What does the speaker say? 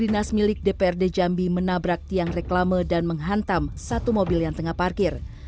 dinas milik dprd jambi menabrak tiang reklame dan menghantam satu mobil yang tengah parkir